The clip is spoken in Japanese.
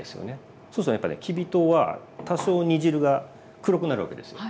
そうするとやっぱねきび糖は多少煮汁が黒くなるわけですよ。